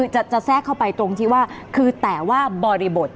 จะแทรกเข้าไปตรงที่ว่าคือแต่ว่าบริบท